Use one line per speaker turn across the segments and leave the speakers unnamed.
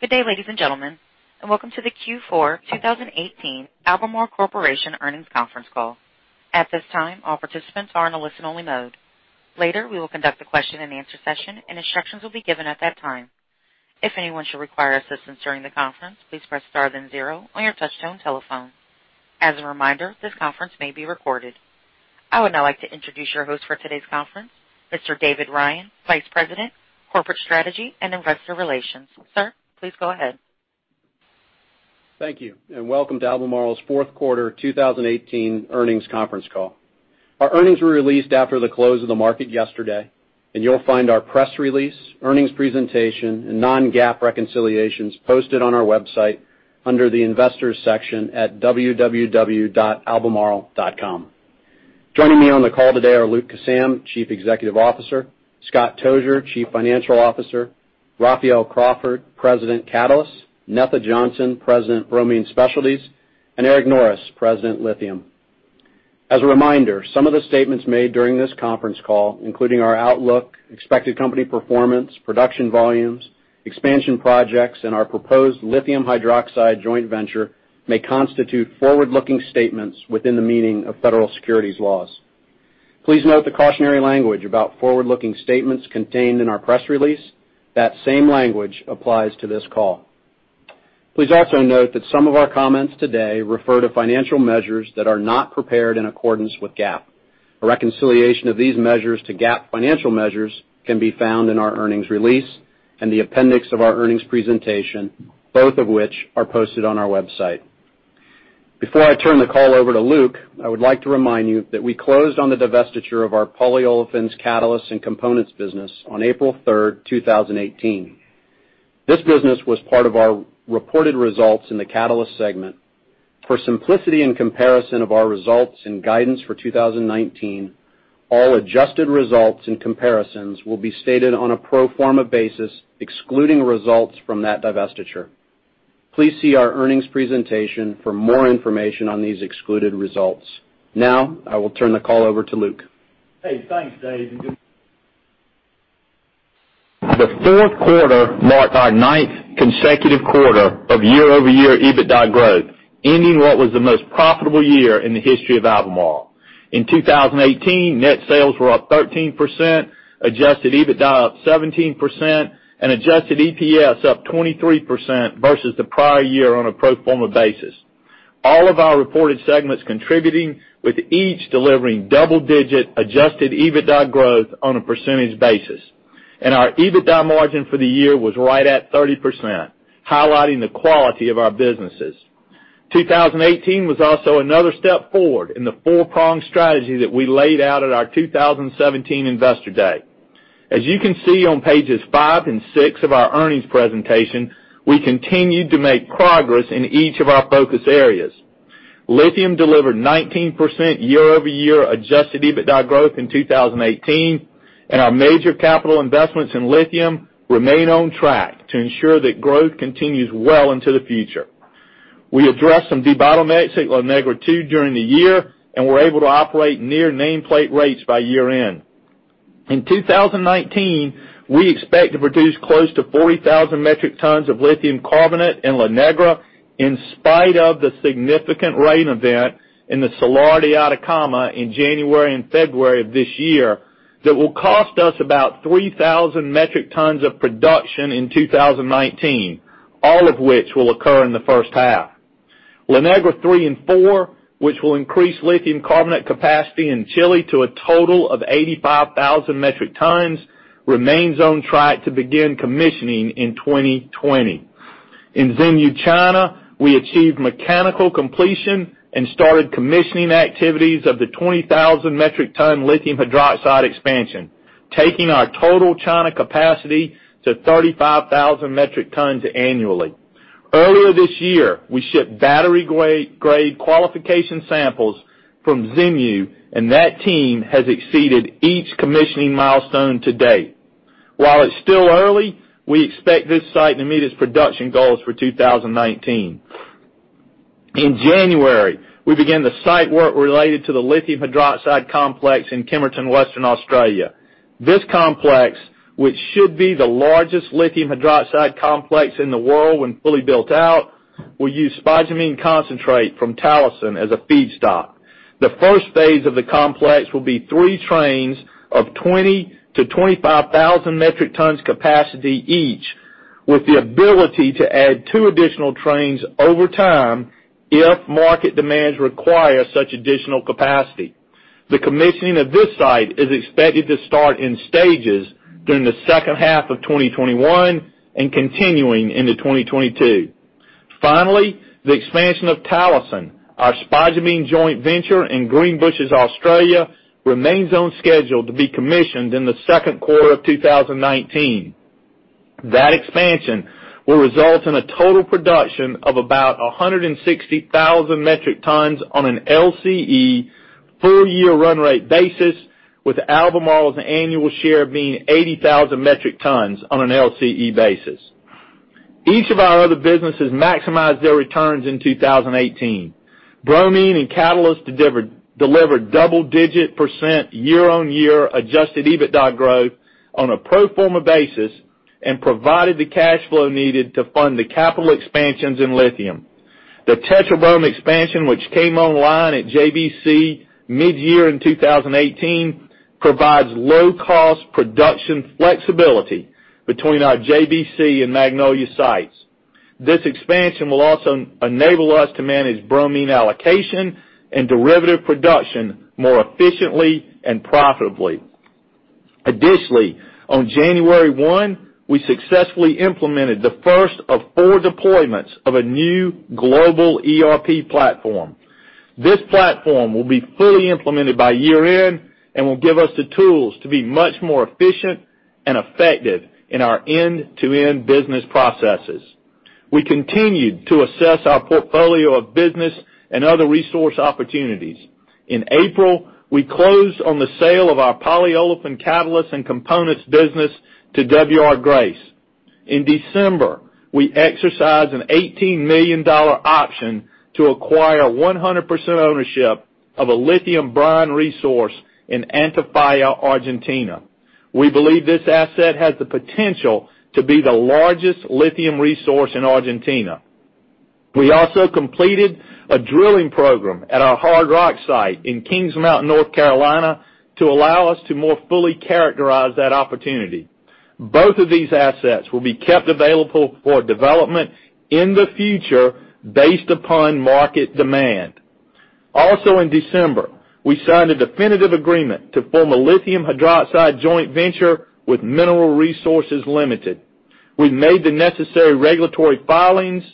Good day, ladies and gentlemen, and welcome to the Q4 2018 Albemarle Corporation Earnings Conference Call. At this time, all participants are in a listen-only mode. Later, we will conduct a question and answer session, and instructions will be given at that time. If anyone should require assistance during the conference, please press star then zero on your touch-tone telephone. As a reminder, this conference may be recorded. I would now like to introduce your host for today's conference, Mr. David Ryan, Vice President, Corporate Strategy and Investor Relations. Sir, please go ahead.
Thank you. Welcome to Albemarle's fourth quarter 2018 earnings conference call. Our earnings were released after the close of the market yesterday. You'll find our press release, earnings presentation, and non-GAAP reconciliations posted on our website under the Investors section at www.albemarle.com. Joining me on the call today are Luke Kissam, Chief Executive Officer, Scott Tozier, Chief Financial Officer, Raphael Crawford, President, Catalysts, Netha Johnson, President, Bromine Specialties, and Eric Norris, President, Lithium. As a reminder, some of the statements made during this conference call, including our outlook, expected company performance, production volumes, expansion projects, and our proposed lithium hydroxide joint venture, may constitute forward-looking statements within the meaning of federal securities laws. Please note the cautionary language about forward-looking statements contained in our press release. That same language applies to this call. Please also note that some of our comments today refer to financial measures that are not prepared in accordance with GAAP. A reconciliation of these measures to GAAP financial measures can be found in our earnings release and the appendix of our earnings presentation, both of which are posted on our website. Before I turn the call over to Luke, I would like to remind you that we closed on the divestiture of our polyolefins catalysts and components business on April third, 2018. This business was part of our reported results in the Catalysts segment. For simplicity and comparison of our results and guidance for 2019, all adjusted results and comparisons will be stated on a pro forma basis, excluding results from that divestiture. Please see our earnings presentation for more information on these excluded results. I will turn the call over to Luke.
Hey, thanks, Dave. The fourth quarter marked our ninth consecutive quarter of year-over-year EBITDA growth, ending what was the most profitable year in the history of Albemarle. In 2018, net sales were up 13%, adjusted EBITDA up 17%, and adjusted EPS up 23% versus the prior year on a pro forma basis. All of our reported segments contributing, with each delivering double-digit adjusted EBITDA growth on a percentage basis. Our EBITDA margin for the year was right at 30%, highlighting the quality of our businesses. 2018 was also another step forward in the four-pronged strategy that we laid out at our 2017 Investor Day. As you can see on pages five and six of our earnings presentation, we continued to make progress in each of our focus areas. Lithium delivered 19% year-over-year adjusted EBITDA growth in 2018, and our major capital investments in lithium remain on track to ensure that growth continues well into the future. We addressed some debottlenecking at La Negra 2 during the year, and were able to operate near nameplate rates by year-end. In 2019, we expect to produce close to 40,000 metric tons of lithium carbonate in La Negra in spite of the significant rain event in the Salar de Atacama in January and February of this year that will cost us about 3,000 metric tons of production in 2019, all of which will occur in the first half. La Negra 3 and 4, which will increase lithium carbonate capacity in Chile to a total of 85,000 metric tons, remains on track to begin commissioning in 2020. In Xinyu, China, we achieved mechanical completion and started commissioning activities of the 20,000 metric ton lithium hydroxide expansion, taking our total China capacity to 35,000 metric tons annually. Earlier this year, we shipped battery-grade qualification samples from Xinyu, and that team has exceeded each commissioning milestone to date. While it's still early, we expect this site to meet its production goals for 2019. In January, we began the site work related to the lithium hydroxide complex in Kemerton, Western Australia. This complex, which should be the largest lithium hydroxide complex in the world when fully built out, will use spodumene concentrate from Talison as a feedstock. The first phase of the complex will be three trains of 20,000-25,000 metric tons capacity each, with the ability to add two additional trains over time if market demands require such additional capacity. The commissioning of this site is expected to start in stages during the second half of 2021 and continuing into 2022. Finally, the expansion of Talison, our spodumene joint venture in Greenbushes, Australia, remains on schedule to be commissioned in the second quarter of 2019. That expansion will result in a total production of about 160,000 metric tons on an LCE full-year run rate basis, with Albemarle's annual share being 80,000 metric tons on an LCE basis. Each of our other businesses maximized their returns in 2018. Bromine and Catalysts delivered double-digit % year-on-year adjusted EBITDA growth on a pro forma basis and provided the cash flow needed to fund the capital expansions in Lithium. The Tetrabrom expansion, which came online at JBC mid-year in 2018, provides low-cost production flexibility between our JBC and Magnolia sites. This expansion will also enable us to manage bromine allocation and derivative production more efficiently and profitably. Additionally, on January 1, we successfully implemented the first of four deployments of a new global ERP platform. This platform will be fully implemented by year-end and will give us the tools to be much more efficient and effective in our end-to-end business processes. We continued to assess our portfolio of business and other resource opportunities. In April, we closed on the sale of our polyolefin catalysts and components business to W. R. Grace. In December, we exercised an $18 million option to acquire 100% ownership of a lithium brine resource in Antofalla, Argentina. We believe this asset has the potential to be the largest lithium resource in Argentina. We also completed a drilling program at our hard rock site in Kings Mountain, North Carolina, to allow us to more fully characterize that opportunity. Both of these assets will be kept available for development in the future based upon market demand. In December, we signed a definitive agreement to form a lithium hydroxide joint venture with Mineral Resources Limited. We've made the necessary regulatory filings,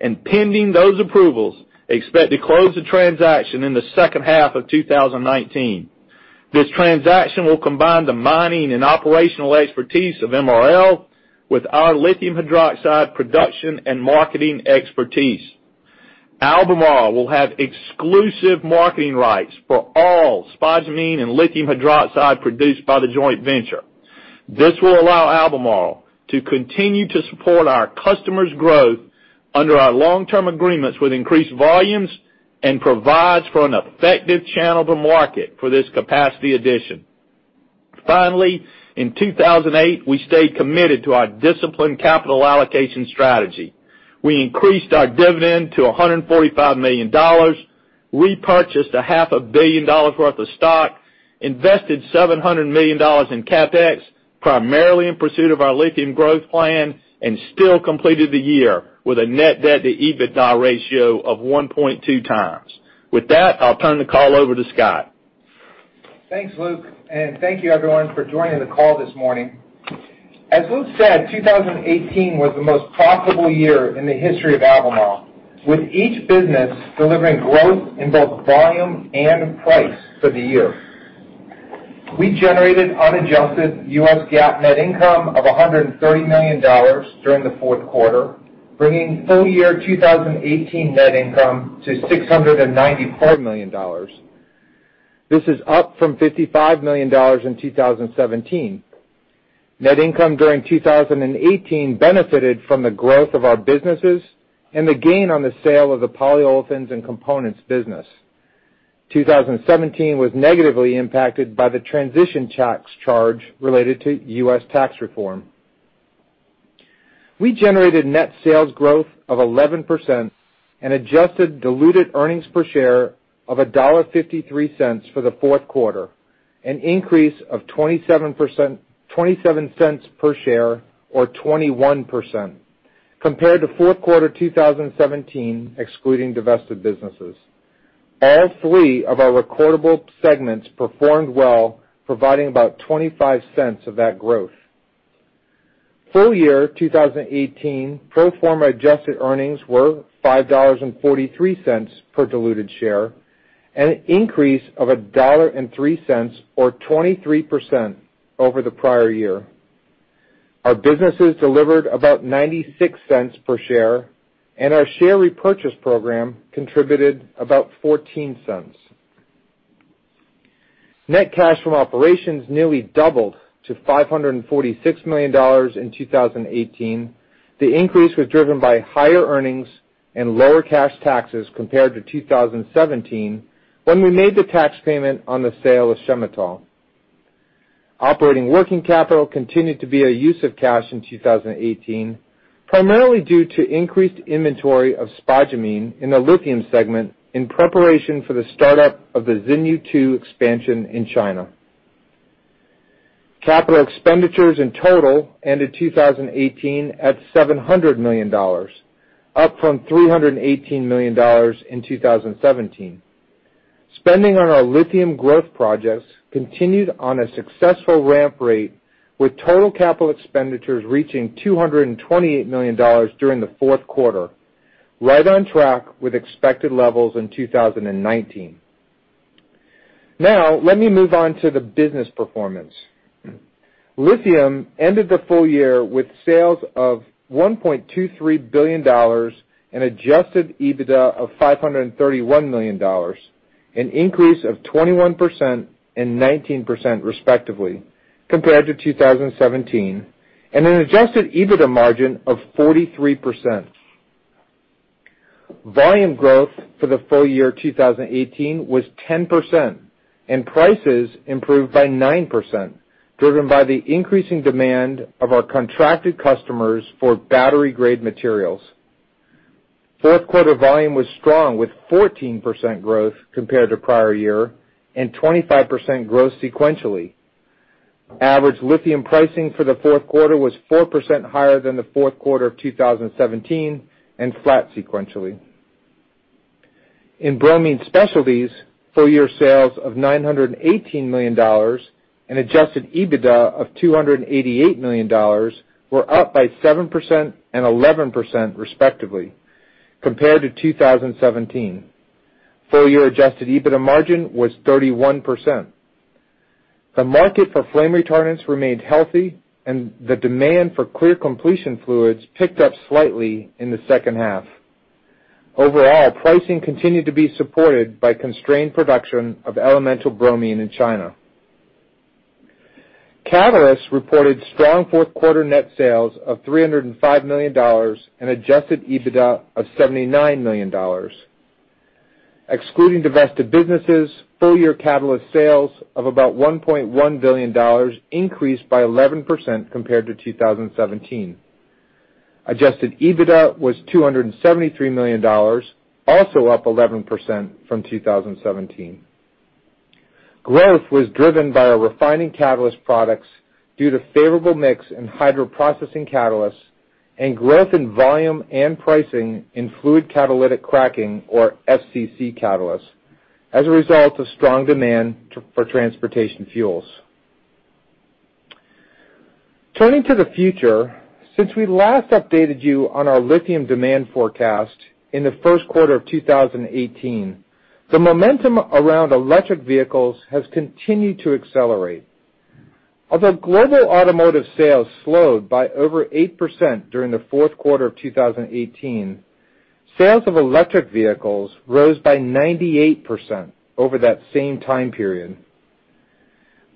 and pending those approvals, expect to close the transaction in the second half of 2019. This transaction will combine the mining and operational expertise of MRL with our lithium hydroxide production and marketing expertise. Albemarle will have exclusive marketing rights for all spodumene and lithium hydroxide produced by the joint venture. This will allow Albemarle to continue to support our customers' growth under our long-term agreements with increased volumes and provides for an effective channel to market for this capacity addition. In 2018, we stayed committed to our disciplined capital allocation strategy. We increased our dividend to $145 million, repurchased a half a billion dollars worth of stock, invested $700 million in CapEx, primarily in pursuit of our lithium growth plan, and still completed the year with a net debt to EBITDA ratio of 1.2 times. With that, I'll turn the call over to Scott.
Thanks, Luke, and thank you everyone for joining the call this morning. As Luke said, 2018 was the most profitable year in the history of Albemarle, with each business delivering growth in both volume and price for the year. We generated unadjusted US GAAP net income of $130 million during the fourth quarter, bringing full-year 2018 net income to $694 million. This is up from $55 million in 2017. Net income during 2018 benefited from the growth of our businesses and the gain on the sale of the polyolefins and components business. 2017 was negatively impacted by the transition charge related to US tax reform. We generated net sales growth of 11% and adjusted diluted earnings per share of $1.53 for the fourth quarter, an increase of $0.27 per share or 21% compared to fourth quarter 2017, excluding divested businesses. All three of our recordable segments performed well, providing about $0.25 of that growth. Full year 2018 pro forma adjusted earnings were $5.43 per diluted share, an increase of $1.03 or 23% over the prior year. Our businesses delivered about $0.96 per share, and our share repurchase program contributed about $0.14. Net cash from operations nearly doubled to $546 million in 2018. The increase was driven by higher earnings and lower cash taxes compared to 2017, when we made the tax payment on the sale of Chemetall. Operating working capital continued to be a use of cash in 2018, primarily due to increased inventory of spodumene in the lithium segment in preparation for the startup of the Xinyu 2 expansion in China. Capital expenditures in total ended 2018 at $700 million, up from $318 million in 2017. Spending on our lithium growth projects continued on a successful ramp rate, with total capital expenditures reaching $228 million during the fourth quarter, right on track with expected levels in 2019. Let me move on to the business performance. Lithium ended the full year with sales of $1.23 billion and adjusted EBITDA of $531 million, an increase of 21% and 19% respectively compared to 2017. An adjusted EBITDA margin of 43%. Volume growth for the full year 2018 was 10%, and prices improved by 9%, driven by the increasing demand of our contracted customers for battery-grade materials. Fourth quarter volume was strong, with 14% growth compared to prior year and 25% growth sequentially. Average lithium pricing for the fourth quarter was 4% higher than the fourth quarter of 2017 and flat sequentially. In Bromine Specialties, full year sales of $918 million and adjusted EBITDA of $288 million were up by 7% and 11% respectively, compared to 2017. Full year adjusted EBITDA margin was 31%. The market for flame retardants remained healthy and the demand for clear completion fluids picked up slightly in the second half. Overall, pricing continued to be supported by constrained production of elemental bromine in China. Catalysts reported strong fourth quarter net sales of $305 million and adjusted EBITDA of $79 million. Excluding divested businesses, full year Catalysts sales of about $1.1 billion increased by 11% compared to 2017. Adjusted EBITDA was $273 million, also up 11% from 2017. Growth was driven by our refining catalyst products due to favorable mix in hydroprocessing catalysts and growth in volume and pricing in fluid catalytic cracking, or FCC catalysts, as a result of strong demand for transportation fuels. Turning to the future, since we last updated you on our lithium demand forecast in the first quarter of 2018, the momentum around electric vehicles has continued to accelerate. Although global automotive sales slowed by over 8% during the fourth quarter of 2018, sales of electric vehicles rose by 98% over that same time period.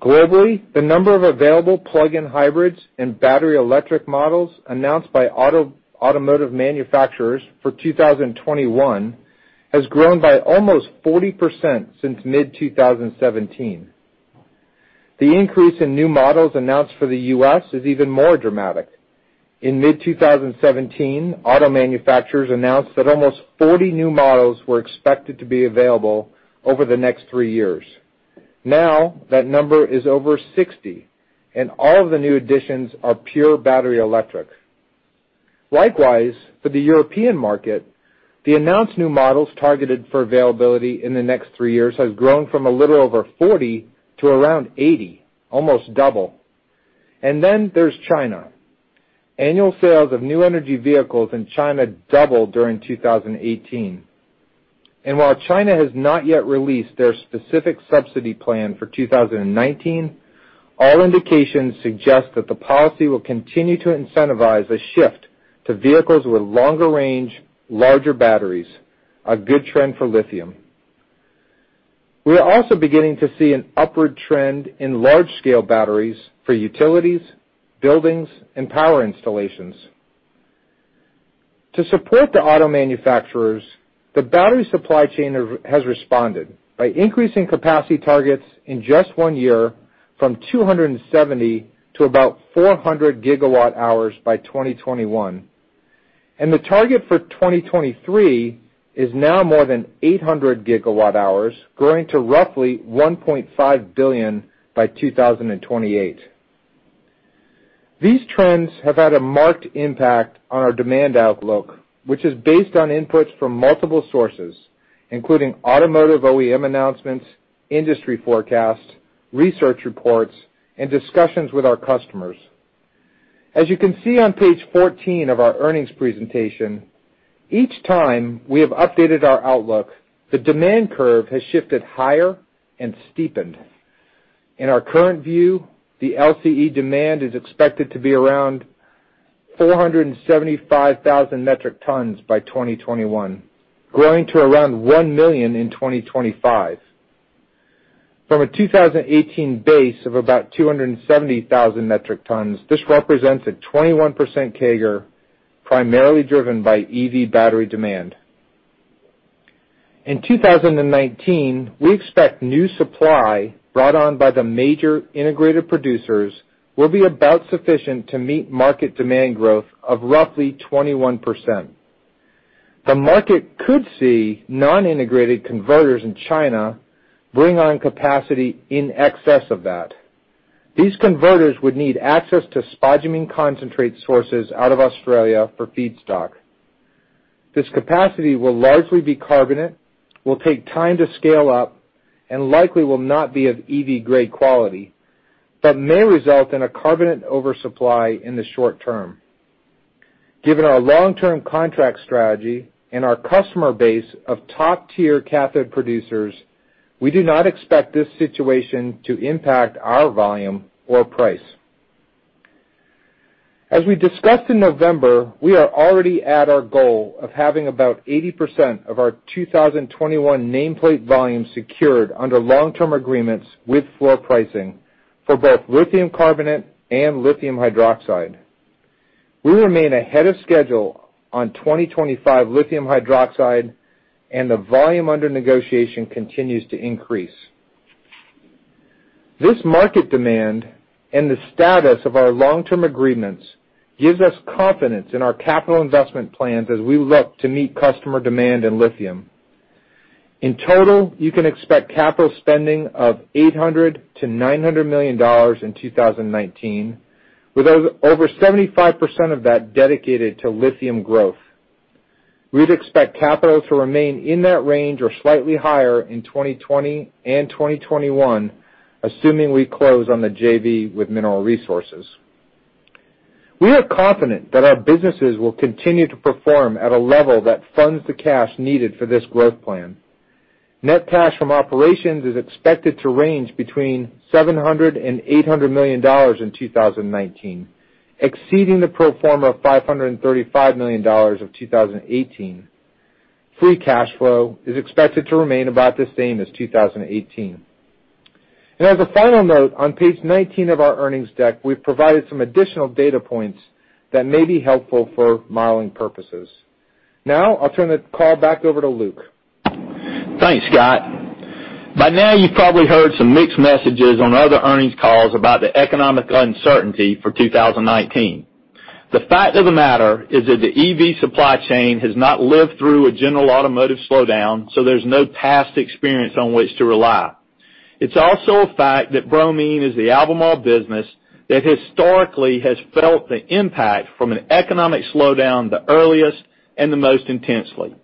Globally, the number of available plug-in hybrids and battery electric models announced by automotive manufacturers for 2021 has grown by almost 40% since mid-2017. The increase in new models announced for the U.S. is even more dramatic. In mid-2017, auto manufacturers announced that almost 40 new models were expected to be available over the next three years. That number is over 60, and all of the new additions are pure battery electric. Likewise, for the European market, the announced new models targeted for availability in the next three years has grown from a little over 40 to around 80, almost double. Then there's China. Annual sales of new energy vehicles in China doubled during 2018. While China has not yet released their specific subsidy plan for 2019, all indications suggest that the policy will continue to incentivize a shift to vehicles with longer range, larger batteries, a good trend for lithium. We are also beginning to see an upward trend in large-scale batteries for utilities, buildings, and power installations. To support the auto manufacturers, the battery supply chain has responded by increasing capacity targets in just one year from 270 to about 400 gigawatt hours by 2021. The target for 2023 is now more than 800 gigawatt hours, growing to roughly 1.5 billion by 2028. These trends have had a marked impact on our demand outlook, which is based on inputs from multiple sources, including automotive OEM announcements, industry forecasts, research reports, and discussions with our customers. As you can see on page 14 of our earnings presentation, each time we have updated our outlook, the demand curve has shifted higher and steepened. In our current view, the LCE demand is expected to be around 475,000 metric tons by 2021, growing to around 1 million in 2025. From a 2018 base of about 270,000 metric tons, this represents a 21% CAGR, primarily driven by EV battery demand. In 2019, we expect new supply brought on by the major integrated producers will be about sufficient to meet market demand growth of roughly 21%. The market could see non-integrated converters in China bring on capacity in excess of that. These converters would need access to spodumene concentrate sources out of Australia for feedstock. This capacity will largely be carbonate, will take time to scale up, and likely will not be of EV-grade quality, but may result in a carbonate oversupply in the short term. Given our long-term contract strategy and our customer base of top-tier cathode producers, we do not expect this situation to impact our volume or price. As we discussed in November, we are already at our goal of having about 80% of our 2021 nameplate volume secured under long-term agreements with floor pricing for both lithium carbonate and lithium hydroxide. We remain ahead of schedule on 2025 lithium hydroxide, and the volume under negotiation continues to increase. This market demand and the status of our long-term agreements gives us confidence in our capital investment plans as we look to meet customer demand in lithium. In total, you can expect capital spending of $800 million-$900 million in 2019, with over 75% of that dedicated to lithium growth. We'd expect capital to remain in that range or slightly higher in 2020 and 2021, assuming we close on the JV with Mineral Resources. We are confident that our businesses will continue to perform at a level that funds the cash needed for this growth plan. Net cash from operations is expected to range between $700 million and $800 million in 2019, exceeding the pro forma of $535 million of 2018. Free cash flow is expected to remain about the same as 2018. As a final note, on page 19 of our earnings deck, we've provided some additional data points that may be helpful for modeling purposes. Now, I'll turn the call back over to Luke.
Thanks, Scott. By now you've probably heard some mixed messages on other earnings calls about the economic uncertainty for 2019. The fact of the matter is that the EV supply chain has not lived through a general automotive slowdown, so there's no past experience on which to rely. It's also a fact that bromine is the Albemarle business that historically has felt the impact from an economic slowdown the earliest and the most intensely.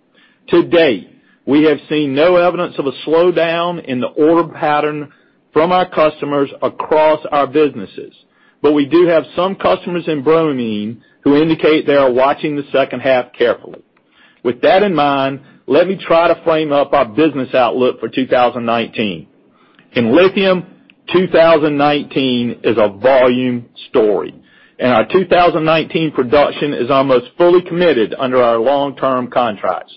To date, we have seen no evidence of a slowdown in the order pattern from our customers across our businesses, but we do have some customers in bromine who indicate they are watching the second half carefully. With that in mind, let me try to frame up our business outlook for 2019. In lithium, 2019 is a volume story. Our 2019 production is almost fully committed under our long-term contracts.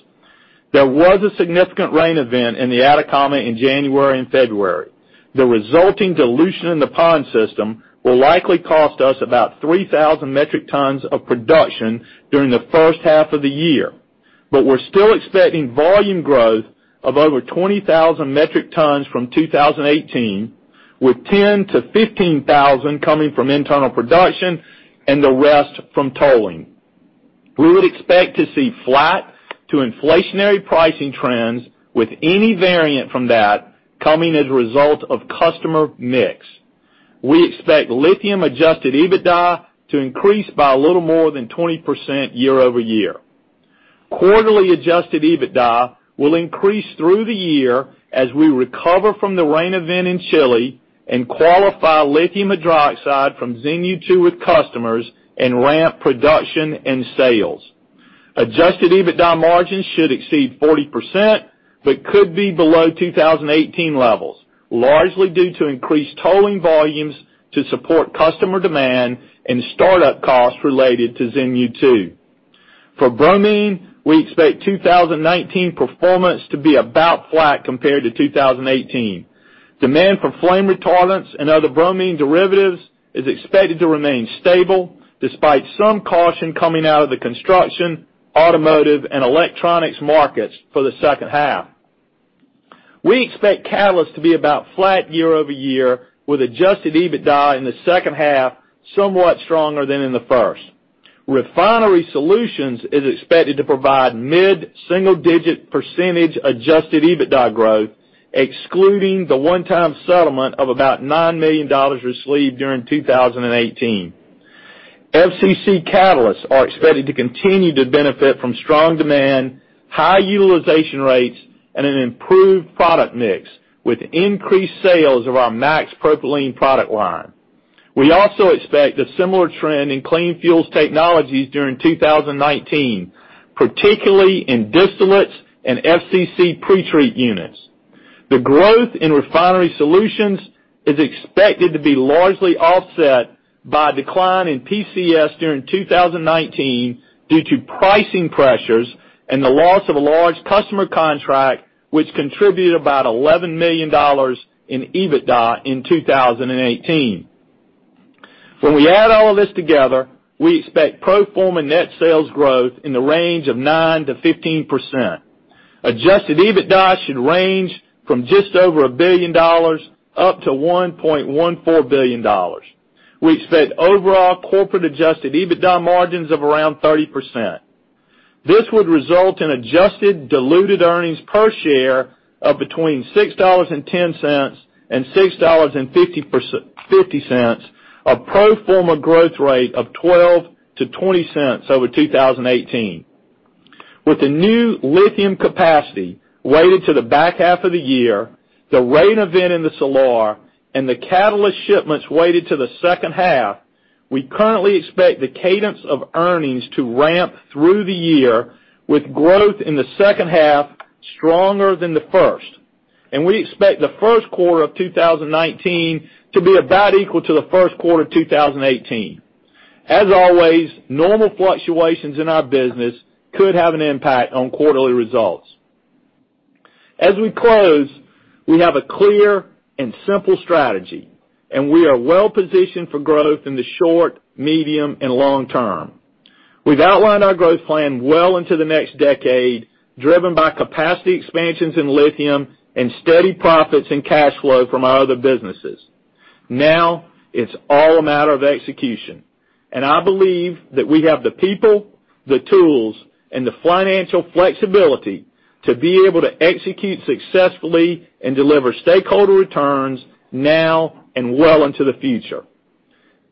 There was a significant rain event in the Atacama in January and February. The resulting dilution in the pond system will likely cost us about 3,000 metric tons of production during the first half of the year. We're still expecting volume growth of over 20,000 metric tons from 2018, with 10,000-15,000 coming from internal production and the rest from tolling. We would expect to see flat to inflationary pricing trends with any variant from that coming as a result of customer mix. We expect lithium adjusted EBITDA to increase by a little more than 20% year-over-year. Quarterly adjusted EBITDA will increase through the year as we recover from the rain event in Chile and qualify lithium hydroxide from Xinyu 2 with customers and ramp production and sales. Adjusted EBITDA margins should exceed 40%, but could be below 2018 levels, largely due to increased tolling volumes to support customer demand and startup costs related to Xinyu 2. For bromine, we expect 2019 performance to be about flat compared to 2018. Demand for flame retardants and other bromine derivatives is expected to remain stable, despite some caution coming out of the construction, automotive, and electronics markets for the second half. We expect catalysts to be about flat year-over-year, with adjusted EBITDA in the second half, somewhat stronger than in the first. Refinery Solutions is expected to provide mid-single-digit percentage adjusted EBITDA growth, excluding the one-time settlement of about $9 million received during 2018. FCC catalysts are expected to continue to benefit from strong demand, high utilization rates, and an improved product mix with increased sales of our Max Propylene product line. We also expect a similar trend in clean fuels technologies during 2019, particularly in distillates and FCC pretreat units. The growth in refinery solutions is expected to be largely offset by a decline in PCS during 2019 due to pricing pressures and the loss of a large customer contract, which contributed about $11 million in EBITDA in 2018. When we add all of this together, we expect pro forma net sales growth in the range of 9%-15%. Adjusted EBITDA should range from just over $1 billion up to $1.14 billion. We expect overall corporate adjusted EBITDA margins of around 30%. This would result in adjusted diluted earnings per share of between $6.10 and $6.50, a pro forma growth rate of $0.12-$0.20 over 2018. With the new lithium capacity weighted to the back half of the year, the rain event in the Salar, and the catalyst shipments weighted to the second half, we currently expect the cadence of earnings to ramp through the year, with growth in the second half stronger than the first. We expect the first quarter of 2019 to be about equal to the first quarter of 2018. As always, normal fluctuations in our business could have an impact on quarterly results. As we close, we have a clear and simple strategy, and we are well-positioned for growth in the short, medium, and long term. We've outlined our growth plan well into the next decade, driven by capacity expansions in lithium and steady profits and cash flow from our other businesses. Now, it's all a matter of execution. I believe that we have the people, the tools, and the financial flexibility to be able to execute successfully and deliver stakeholder returns now and well into the future.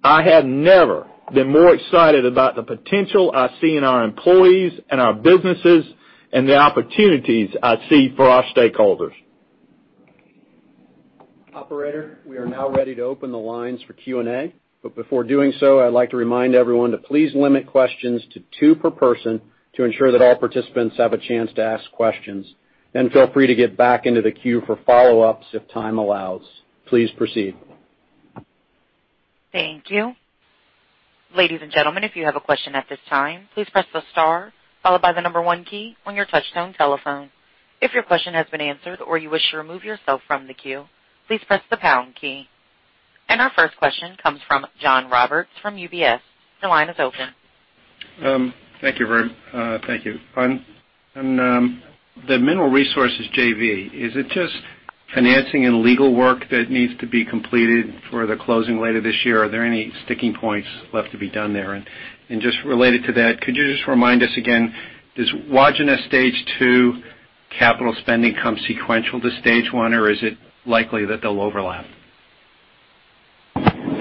I have never been more excited about the potential I see in our employees and our businesses and the opportunities I see for our stakeholders.
Operator, we are now ready to open the lines for Q&A. Before doing so, I'd like to remind everyone to please limit questions to two per person to ensure that all participants have a chance to ask questions. Feel free to get back into the queue for follow-ups if time allows. Please proceed.
Thank you. Ladies and gentlemen, if you have a question at this time, please press the star followed by the number one key on your touchtone telephone. If your question has been answered or you wish to remove yourself from the queue, please press the pound key. Our first question comes from John Roberts from UBS. Your line is open.
Thank you. On the Mineral Resources JV, is it just financing and legal work that needs to be completed for the closing later this year, or are there any sticking points left to be done there? Just related to that, could you just remind us again, does Wodgina stage 2 capital spending come sequential to stage 1, or is it likely that they'll overlap?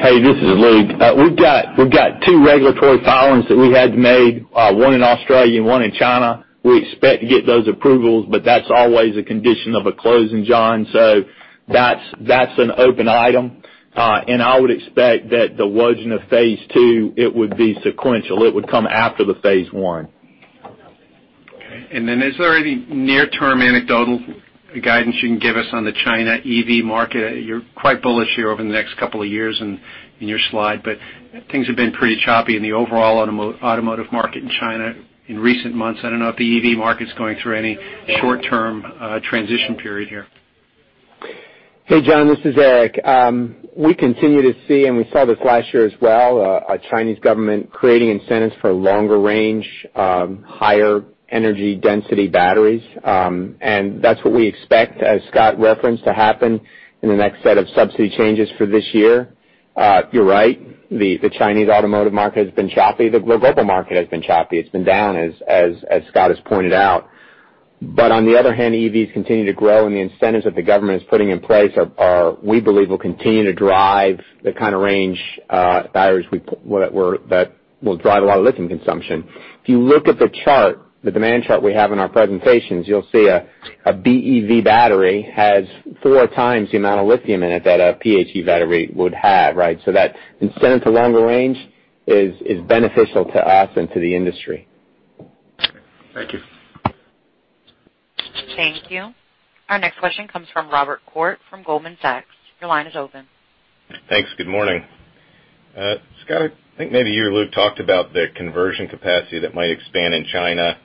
Hey, this is Luke. We've got two regulatory filings that we had made, one in Australia and one in China. We expect to get those approvals, but that's always a condition of a closing, John. That's an open item. I would expect that the Wodgina phase 2, it would be sequential. It would come after the phase 1.
Okay. Is there any near-term anecdotal guidance you can give us on the China EV market? You're quite bullish here over the next couple of years in your slide, but things have been pretty choppy in the overall automotive market in China in recent months. I don't know if the EV market's going through any short-term transition period here.
Hey, John, this is Eric. We continue to see, we saw this last year as well, Chinese government creating incentives for longer range, higher energy density batteries. That's what we expect, as Scott referenced, to happen in the next set of subsidy changes for this year. You're right, the Chinese automotive market has been choppy. The global market has been choppy. It's been down, as Scott has pointed out. On the other hand, EVs continue to grow, and the incentives that the government is putting in place we believe will continue to drive the kind of range batteries that will drive a lot of lithium consumption. If you look at the chart, the demand chart we have in our presentations, you'll see a BEV battery has four times the amount of lithium in it that a PHEV battery would have, right? That incentive to longer range is beneficial to us and to the industry.
Okay. Thank you.
Thank you. Our next question comes from Robert Koort from Goldman Sachs. Your line is open.
Thanks. Good morning. Scott, I think maybe you or Luke talked about the conversion capacity that might expand in China,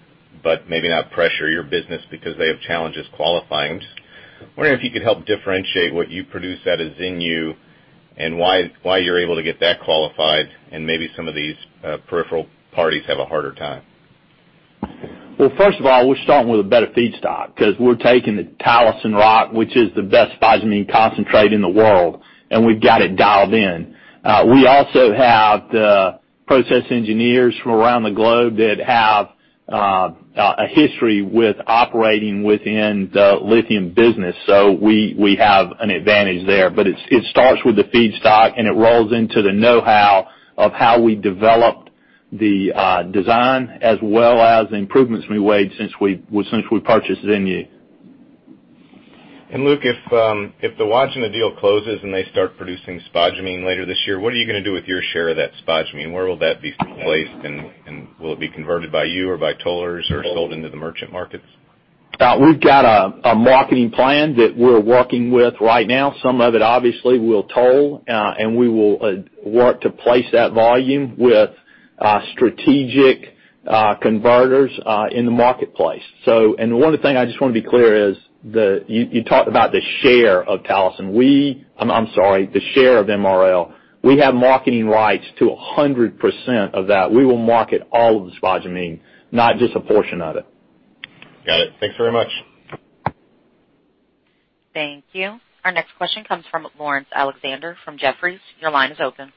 but maybe not pressure your business because they have challenges qualifying them. Just wondering if you could help differentiate what you produce at Xinyu and why you're able to get that qualified and maybe some of these peripheral parties have a harder time.
Well, first of all, we're starting with a better feedstock because we're taking the Talison rock, which is the best spodumene concentrate in the world, and we've got it dialed in. We also have the process engineers from around the globe that have a history with operating within the lithium business. We have an advantage there. It starts with the feedstock, and it rolls into the know-how of how we developed the design as well as the improvements we made since we purchased Xinyu.
Luke, if the Wodgina deal closes and they start producing spodumene later this year, what are you going to do with your share of that spodumene? Where will that be placed and will it be converted by you or by tollers or sold into the merchant markets?
We've got a marketing plan that we're working with right now. Some of it obviously we'll toll, and we will work to place that volume with strategic converters in the marketplace. One of the things I just want to be clear is you talked about the share of Talison. I'm sorry, the share of MRL. We have marketing rights to 100% of that. We will market all of the spodumene, not just a portion of it.
Got it. Thanks very much.
Thank you. Our next question comes from Laurence Alexander from Jefferies. Your line is open.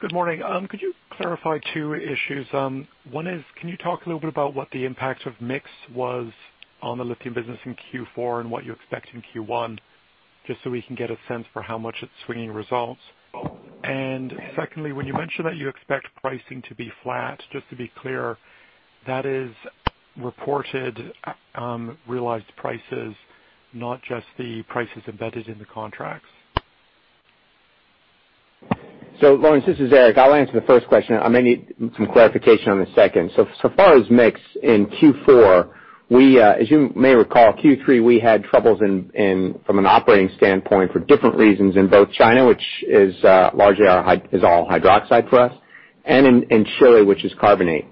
Good morning. Could you clarify two issues? One is, can you talk a little bit about what the impact of mix was on the lithium business in Q4 and what you expect in Q1, just so we can get a sense for how much it's swinging results? Secondly, when you mentioned that you expect pricing to be flat, just to be clear, that is reported realized prices, not just the prices embedded in the contracts?
Laurence, this is Eric. I'll answer the first question. I may need some clarification on the second. Far as mix in Q4, as you may recall, Q3, we had troubles from an operating standpoint for different reasons in both China, which is largely all hydroxide for us. And in Chile, which is carbonate.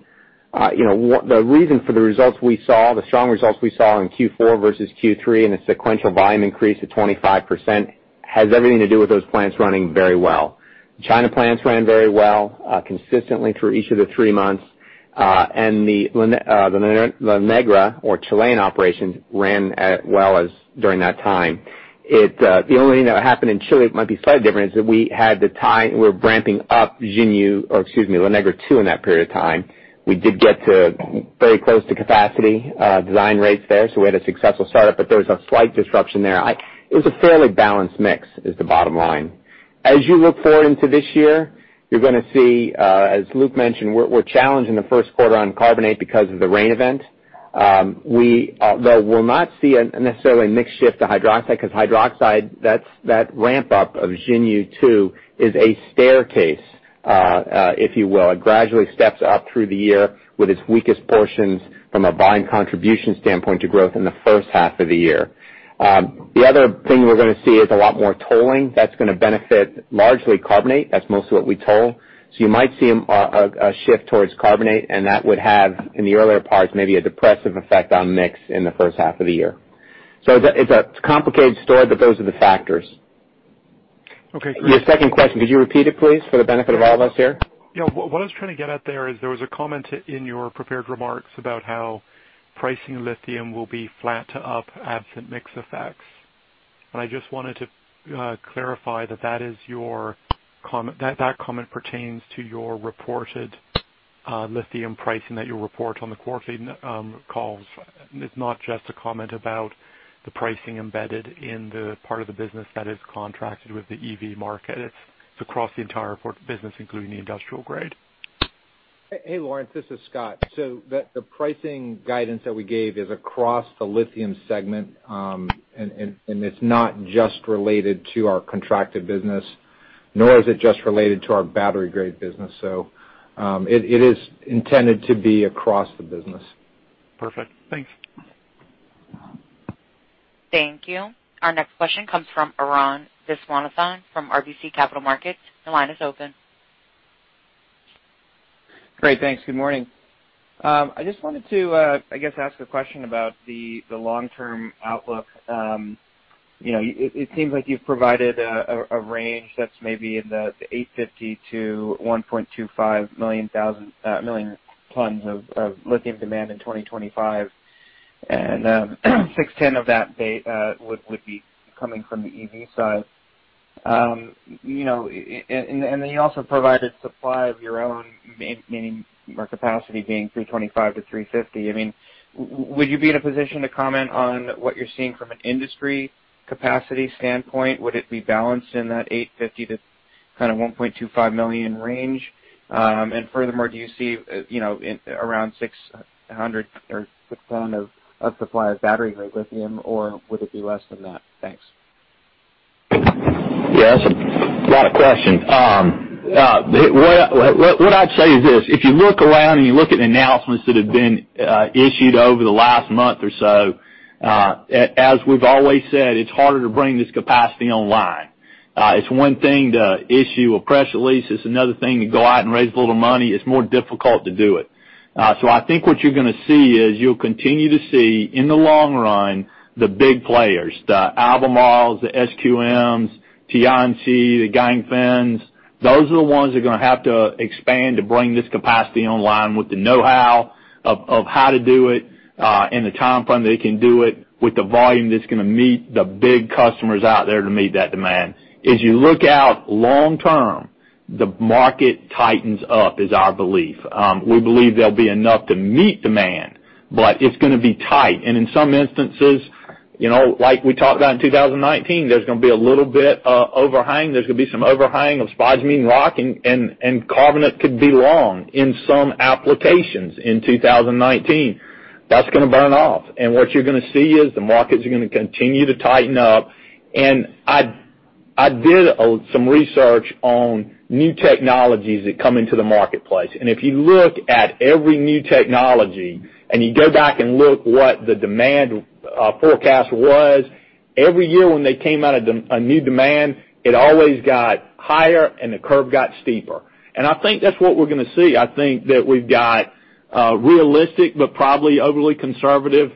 The reason for the results we saw, the strong results we saw in Q4 versus Q3 and the sequential volume increase of 25%, has everything to do with those plants running very well. China plants ran very well consistently through each of the three months. The La Negra or Chilean operations ran well during that time. The only thing that happened in Chile, it might be slightly different, is that we were ramping up Xinyu, or excuse me, La Negra 2 in that period of time. We did get very close to capacity design rates there, so we had a successful startup, but there was a slight disruption there. It was a fairly balanced mix is the bottom line. As you look forward into this year, you're going to see as Luke mentioned, we're challenged in the first quarter on carbonate because of the rain event. We though will not see necessarily a mix shift to hydroxide, because hydroxide, that ramp up of Xinyu 2, is a staircase, if you will. It gradually steps up through the year with its weakest portions from a volume contribution standpoint to growth in the first half of the year. The other thing we're going to see is a lot more tolling. That's going to benefit largely carbonate. That's mostly what we toll. You might see a shift towards carbonate, and that would have, in the earlier parts, maybe a depressive effect on mix in the first half of the year. It's a complicated story, but those are the factors.
Okay, great.
Your second question, could you repeat it, please, for the benefit of all of us here?
What I was trying to get at there is there was a comment in your prepared remarks about how pricing lithium will be flat to up absent mix effects. I just wanted to clarify that comment pertains to your reported Lithium pricing that you'll report on the quarterly calls, it's not just a comment about the pricing embedded in the part of the business that is contracted with the EV market. It's across the entire business, including the industrial grade.
Hey, Laurence, this is Scott. The pricing guidance that we gave is across the Lithium segment, it's not just related to our contracted business, nor is it just related to our battery-grade business. It is intended to be across the business.
Perfect. Thanks.
Thank you. Our next question comes from Arun Viswanathan from RBC Capital Markets. Your line is open.
Great. Thanks. Good morning. I just wanted to ask a question about the long-term outlook. It seems like you've provided a range that's maybe in the 850 to 1.25 million tons of lithium demand in 2025, and 610 of that would be coming from the EV side. Then you also provided supply of your own, meaning more capacity being 325 to 350. Would you be in a position to comment on what you're seeing from an industry capacity standpoint? Would it be balanced in that 850 to kind of 1.25 million range? And furthermore, do you see around 600 or six ton of supply of battery-grade lithium, or would it be less than that? Thanks.
Yes. Lot of questions. What I'd say is this. If you look around and you look at announcements that have been issued over the last month or so, as we've always said, it's harder to bring this capacity online. It's one thing to issue a press release, it's another thing to go out and raise a little money. It's more difficult to do it. I think what you're going to see is you'll continue to see in the long run, the big players, the Albemarle's, the SQM's, Tianqi, the Ganfeng's, those are the ones that are going to have to expand to bring this capacity online with the knowhow of how to do it, in the time frame they can do it, with the volume that's going to meet the big customers out there to meet that demand. As you look out long term, the market tightens up is our belief. We believe there'll be enough to meet demand, but it's going to be tight. In some instances, like we talked about in 2019, there's going to be a little bit of overhang. There's going to be some overhang of spodumene rock and carbonate could be long in some applications in 2019. That's going to burn off. What you're going to see is the markets are going to continue to tighten up. I did some research on new technologies that come into the marketplace. If you look at every new technology and you go back and look what the demand forecast was, every year when they came out at a new demand, it always got higher and the curve got steeper. I think that's what we're going to see. I think that we've got a realistic but probably overly conservative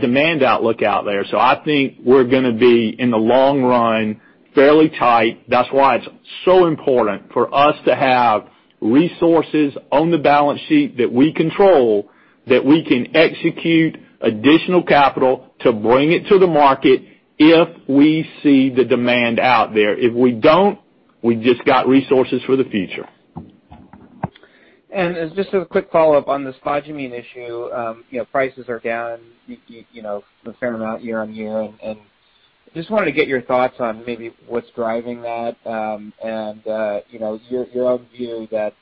demand outlook out there. I think we're going to be, in the long run, fairly tight. That's why it's so important for us to have resources on the balance sheet that we control, that we can execute additional capital to bring it to the market if we see the demand out there. If we don't, we just got resources for the future.
As just a quick follow-up on the spodumene issue. Prices are down a fair amount year-over-year, and just wanted to get your thoughts on maybe what's driving that, and your own view that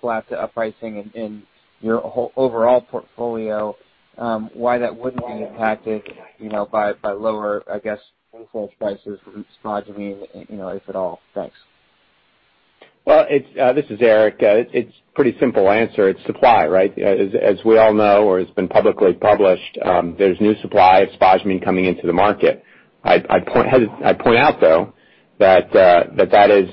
flat to up pricing in your overall portfolio, why that wouldn't be impacted by lower, I guess, input prices from spodumene, if at all. Thanks.
Well, this is Eric. It's pretty simple answer. It's supply, right? As we all know, or it's been publicly published, there's new supply of spodumene coming into the market. I'd point out, though, that that is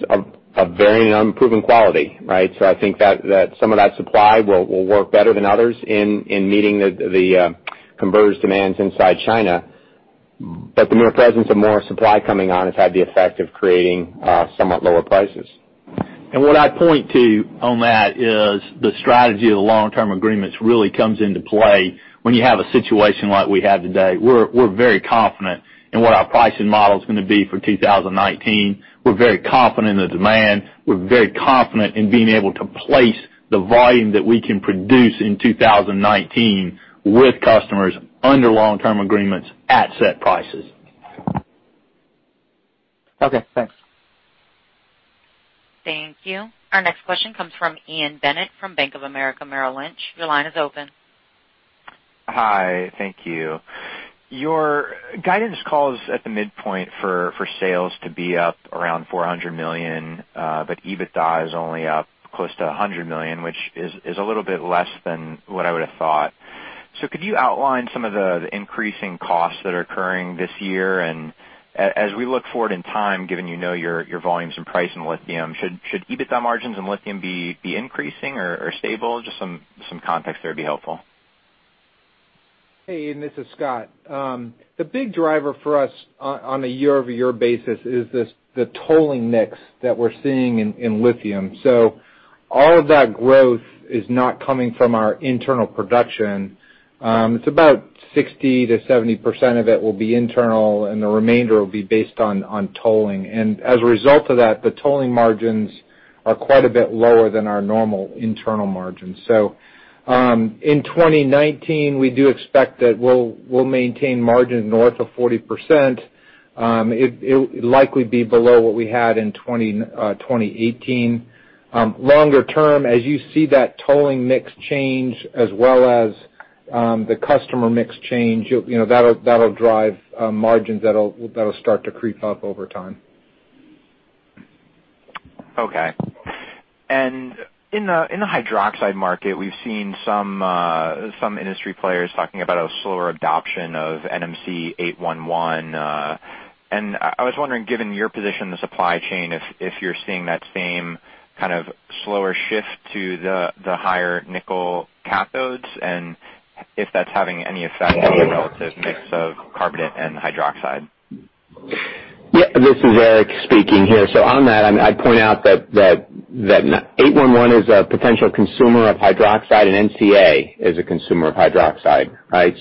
of varying unproven quality, right? I think that some of that supply will work better than others in meeting the converter demands inside China. The mere presence of more supply coming on has had the effect of creating somewhat lower prices.
What I'd point to on that is the strategy of the long-term agreements really comes into play when you have a situation like we have today. We're very confident in what our pricing model's going to be for 2019. We're very confident in the demand. We're very confident in being able to place the volume that we can produce in 2019 with customers under long-term agreements at set prices.
Okay, thanks.
Thank you. Our next question comes from Ian Bennett from Bank of America Merrill Lynch. Your line is open.
Hi. Thank you. Your guidance calls at the midpoint for sales to be up around $400 million, EBITDA is only up close to $100 million, which is a little bit less than what I would've thought. Could you outline some of the increasing costs that are occurring this year? As we look forward in time, given you know your volumes and price in lithium, should EBITDA margins in lithium be increasing or stable? Just some context there would be helpful.
Hey, Ian. This is Scott. The big driver for us on a year-over-year basis is the tolling mix that we're seeing in lithium. All of that growth is not coming from our internal production. It's about 60%-70% of it will be internal, and the remainder will be based on tolling. As a result of that, the tolling margins are quite a bit lower than our normal internal margins. In 2019, we do expect that we'll maintain margins north of 40%. It'll likely be below what we had in 2018. Longer term, as you see that tolling mix change as well as the customer mix change, that'll drive margins that'll start to creep up over time.
Okay. In the hydroxide market, we've seen some industry players talking about a slower adoption of NMC 811. I was wondering, given your position in the supply chain, if you're seeing that same kind of slower shift to the higher nickel cathodes and if that's having any effect on your relative mix of carbonate and hydroxide.
Yeah. This is Eric speaking here. On that, I'd point out that 811 is a potential consumer of hydroxide, and NCA is a consumer of hydroxide, right?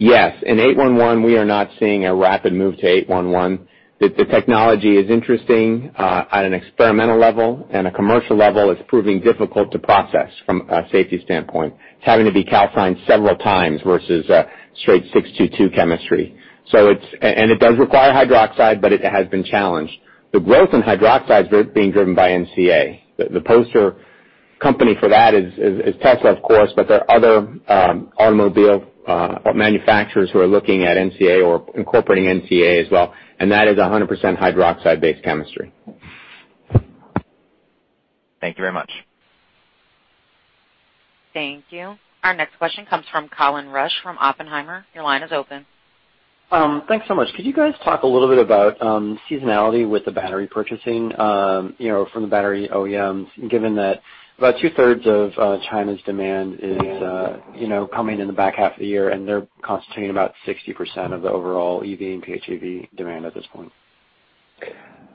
Yes, in 811, we are not seeing a rapid move to 811. The technology is interesting, at an experimental level, and a commercial level, it's proving difficult to process from a safety standpoint. It's having to be calcined several times versus a straight 622 chemistry. It does require hydroxide, but it has been challenged. The growth in hydroxide is being driven by NCA. The poster company for that is Tesla, of course, but there are other automobile manufacturers who are looking at NCA or incorporating NCA as well, and that is 100% hydroxide-based chemistry.
Thank you very much.
Thank you. Our next question comes from Colin Rusch from Oppenheimer. Your line is open.
Thanks so much. Could you guys talk a little bit about seasonality with the battery purchasing from the battery OEMs, given that about two-thirds of China's demand is coming in the back half of the year, and they're constituting about 60% of the overall EV and PHEV demand at this point?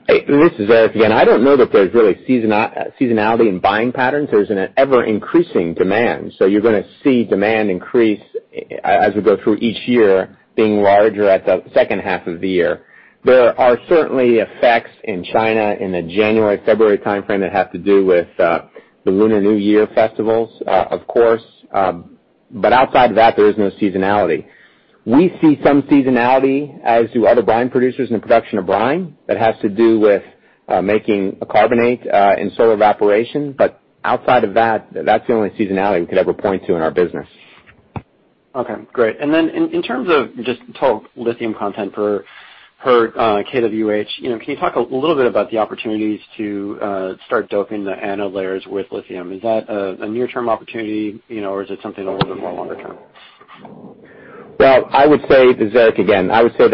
This is Eric again. I don't know that there's really seasonality in buying patterns. There's an ever-increasing demand, so you're going to see demand increase as we go through each year, being larger at the second half of the year. There are certainly effects in China in the January-February timeframe that have to do with the Lunar New Year festivals, of course. Outside of that, there is no seasonality. We see some seasonality, as do other brine producers in the production of brine, that has to do with making a carbonate in solar evaporation. Outside of that's the only seasonality we could ever point to in our business.
Okay. Great. Then in terms of just total lithium content per kWh, can you talk a little bit about the opportunities to start doping the anode layers with lithium? Is that a near-term opportunity, or is it something a little bit more longer term?
This is Eric. I would say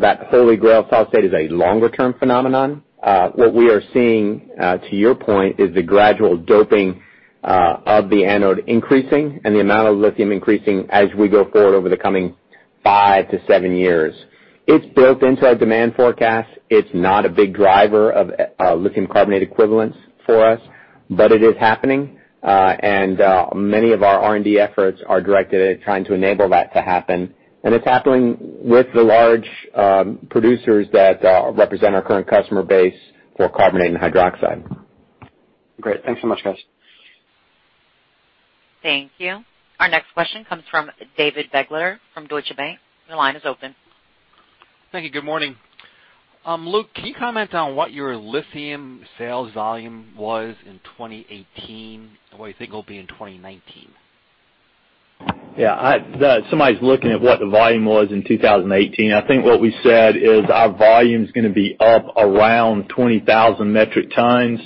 that holy grail solid state is a longer-term phenomenon. What we are seeing, to your point, is the gradual doping of the anode increasing and the amount of lithium increasing as we go forward over the coming five to seven years. It's built into our demand forecast. It's not a big driver of lithium carbonate equivalents for us, but it is happening. Many of our R&D efforts are directed at trying to enable that to happen. It's happening with the large producers that represent our current customer base for carbonate and hydroxide.
Great. Thanks so much, guys.
Thank you. Our next question comes from David Begleiter from Deutsche Bank. Your line is open.
Thank you. Good morning. Luke, can you comment on what your lithium sales volume was in 2018 and what you think it'll be in 2019?
Yeah. Somebody's looking at what the volume was in 2018. I think what we said is our volume's going to be up around 20,000 metric tons,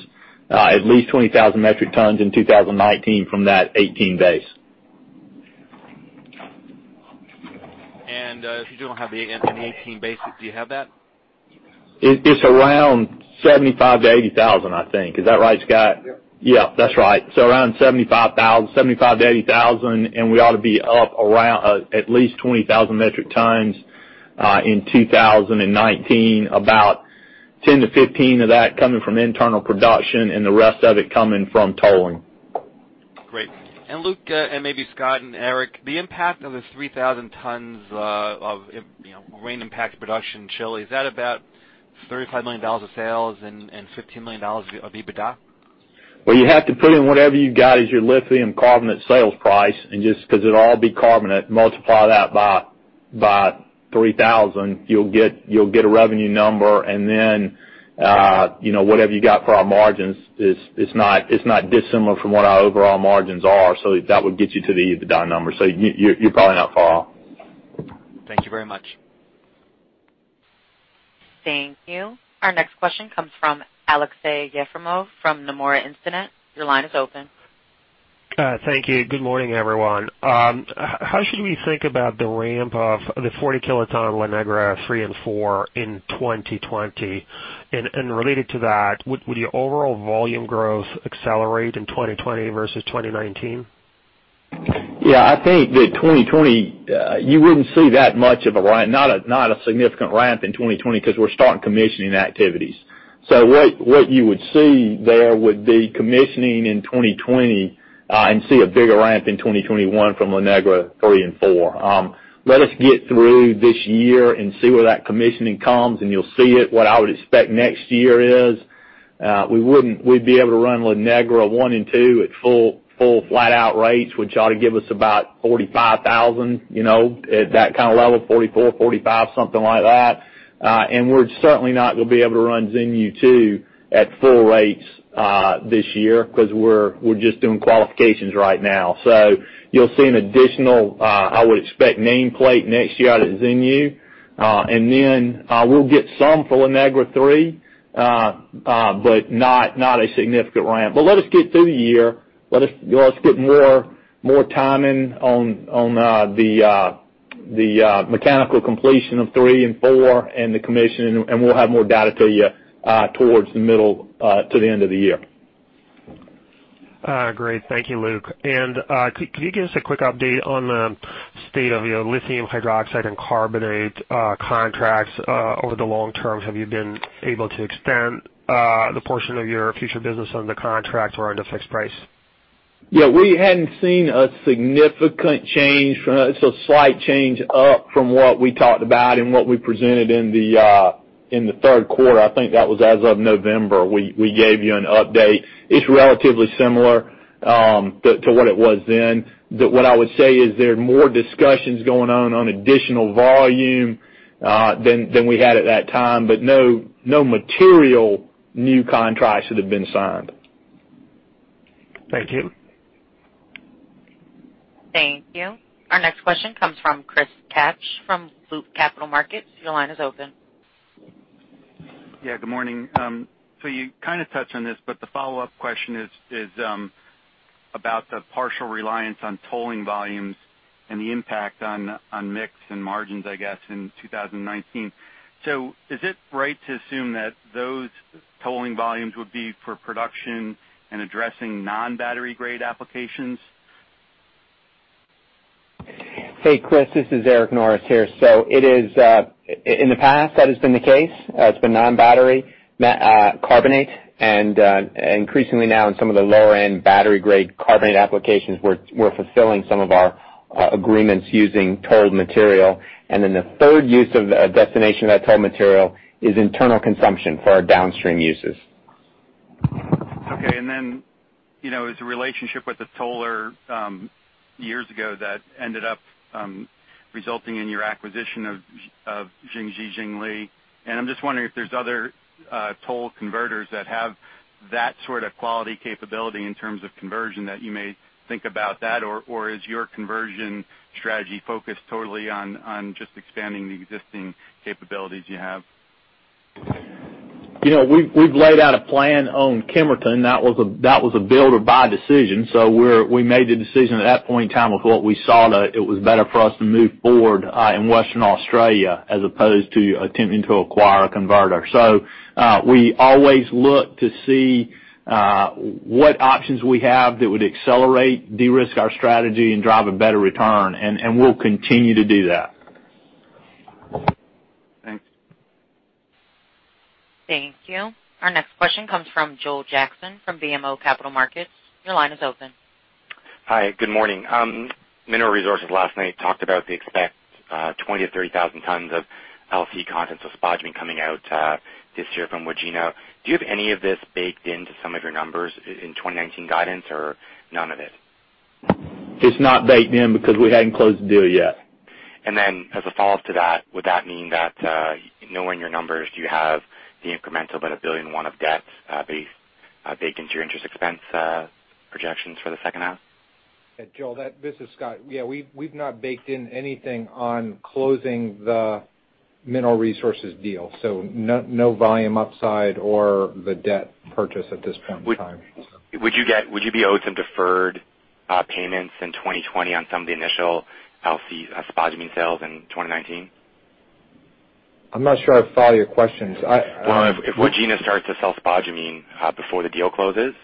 at least 20,000 metric tons in 2019 from that 2018 base.
If you don't have the 2018 basic, do you have that?
It's around 75,000 to 80,000, I think. Is that right, Scott?
Yeah.
Yeah, that's right. Around 75,000 to 80,000, and we ought to be up at least 20,000 metric tons in 2019, about 10 to 15 of that coming from internal production and the rest of it coming from tolling.
Great. Luke, maybe Scott and Eric, the impact of the 3,000 tons of rain impact production in Chile, is that about $35 million of sales and $15 million of EBITDA?
You have to put in whatever you got as your lithium carbonate sales price, and just because it'll all be carbonate, multiply that by 3,000. You'll get a revenue number, and then whatever you got for our margins, it's not dissimilar from what our overall margins are. That would get you to the EBITDA number. You're probably not far off.
Thank you very much.
Thank you. Our next question comes from Aleksey Yefremov from Nomura Instinet. Your line is open.
Thank you. Good morning, everyone. How should we think about the ramp of the 40-kiloton La Negra 3 and 4 in 2020? Related to that, would your overall volume growth accelerate in 2020 versus 2019?
I think that 2020, you wouldn't see that much of a ramp, not a significant ramp in 2020 because we're starting commissioning activities. What you would see there would be commissioning in 2020, and see a bigger ramp in 2021 from La Negra 3 and 4. Let us get through this year and see where that commissioning comes, and you'll see it. What I would expect next year is we'd be able to run La Negra 1 and 2 at full flat-out rates, which ought to give us about 45,000, at that kind of level, 44,000, 45,000, something like that. We're certainly not going to be able to run Xinyu 2 at full rates this year because we're just doing qualifications right now. You'll see an additional, I would expect, nameplate next year out of Xinyu. We'll get some for La Negra 3, but not a significant ramp. Let us get through the year. Let us get more timing on the mechanical completion of 3 and 4 and the commission, we'll have more data for you towards the middle to the end of the year.
Great. Thank you, Luke. Could you give us a quick update on the state of your lithium hydroxide and carbonate contracts over the long term? Have you been able to extend the portion of your future business under contract or under fixed price?
Yeah, we hadn't seen a significant change. It's a slight change up from what we talked about and what we presented in the third quarter. I think that was as of November, we gave you an update. It's relatively similar to what it was then. What I would say is there are more discussions going on additional volume than we had at that time, but no material new contracts that have been signed.
Thank you.
Thank you. Our next question comes from Chris Kapsch from Loop Capital Markets. Your line is open.
Yeah, good morning. You kind of touched on this, the follow-up question is about the partial reliance on tolling volumes and the impact on mix and margins, I guess, in 2019. Is it right to assume that those tolling volumes would be for production and addressing non-battery grade applications?
Hey, Chris, this is Eric Norris here. In the past, that has been the case. It's been non-battery carbonate, and increasingly now in some of the lower-end battery grade carbonate applications, we're fulfilling some of our agreements using tolled material. The third use of the destination of that tolled material is internal consumption for our downstream uses.
Okay, it's a relationship with the toller years ago that ended up resulting in your acquisition of Jiangxi Jiangli, I'm just wondering if there's other toll converters that have that sort of quality capability in terms of conversion that you may think about that, or is your conversion strategy focused totally on just expanding the existing capabilities you have?
We've laid out a plan on Kemerton. That was a build or buy decision. We made the decision at that point in time with what we saw that it was better for us to move forward in Western Australia as opposed to attempting to acquire a converter. We always look to see what options we have that would accelerate, de-risk our strategy and drive a better return, and we'll continue to do that.
Thanks.
Thank you. Our next question comes from Joel Jackson from BMO Capital Markets. Your line is open.
Hi, good morning. Mineral Resources last night talked about they expect 20,000 to 30,000 tons of LCE contents of spodumene coming out this year from Wodgina. Do you have any of this baked into some of your numbers in 2019 guidance, or none of it?
It's not baked in because we hadn't closed the deal yet.
As a follow-up to that, would that mean that knowing your numbers, do you have the incremental about $1 billion and one of debt baked into your interest expense projections for the second half?
Joel, this is Scott. Yeah, we've not baked in anything on closing the mineral Resources deal. No volume upside or the debt purchase at this point in time.
Would you be owed some deferred payments in 2020 on some of the initial spodumene sales in 2019?
I'm not sure I follow your questions.
Well, if Wodgina starts to sell spodumene before the deal closes,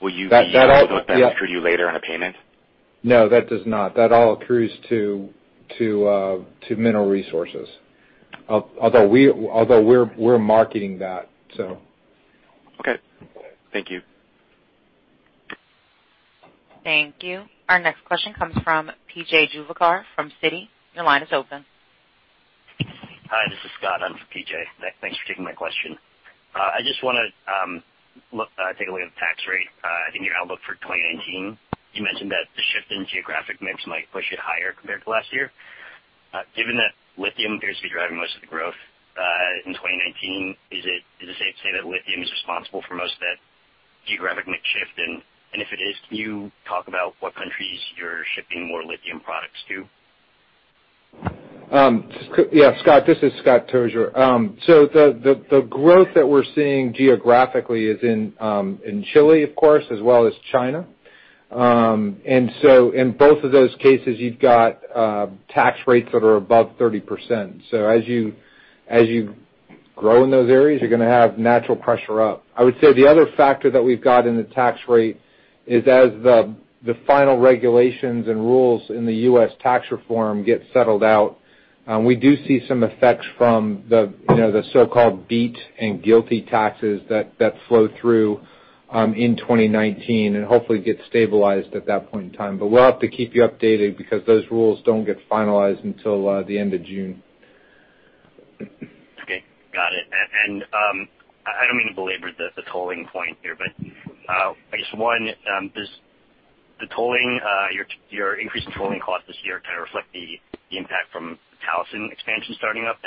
will those accrue to you later on a payment?
No, that does not. That all accrues to Mineral Resources, although we're marketing that.
Okay. Thank you.
Thank you. Our next question comes from P.J. Juvekar from Citi. Your line is open.
Hi, this is Scott. I'm from P.J. Thanks for taking my question. I just want to take a look at the tax rate. I think your outlook for 2019, you mentioned that the shift in geographic mix might push it higher compared to last year. Given that lithium appears to be driving most of the growth, in 2019, is it safe to say that lithium is responsible for most of that geographic mix shift? If it is, can you talk about what countries you're shipping more lithium products to?
Yeah, Scott. This is Scott Tozier. The growth that we're seeing geographically is in Chile, of course, as well as China. In both of those cases, you've got tax rates that are above 30%. As you grow in those areas, you're going to have natural pressure up. I would say the other factor that we've got in the tax rate is as the final regulations and rules in the U.S. tax reform get settled out, we do see some effects from the so-called BEAT and GILTI taxes that flow through in 2019, and hopefully get stabilized at that point in time. We'll have to keep you updated because those rules don't get finalized until the end of June.
Okay. Got it. I don't mean to belabor the tolling point here, but I guess, one, does your increase in tolling cost this year kind of reflect the impact from the Talison expansion starting up?